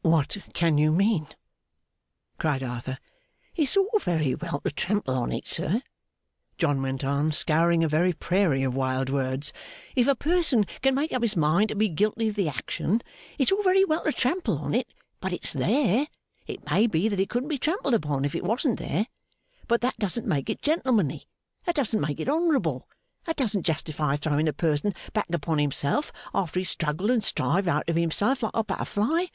'What can you mean?' cried Arthur. 'It's all very well to trample on it, sir,' John went on, scouring a very prairie of wild words, 'if a person can make up his mind to be guilty of the action. It's all very well to trample on it, but it's there. It may be that it couldn't be trampled upon if it wasn't there. But that doesn't make it gentlemanly, that doesn't make it honourable, that doesn't justify throwing a person back upon himself after he has struggled and strived out of himself like a butterfly.